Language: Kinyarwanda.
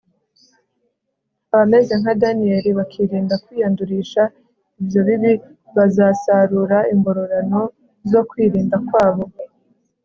abameze nka daniyeli, bakirinda kwiyandurisha ibyo bibi, bazasarura ingororano zo kwirinda kwabo